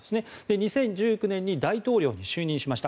２０１９年に大統領に就任しました。